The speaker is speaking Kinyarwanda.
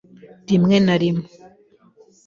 Rimwe na rimwe,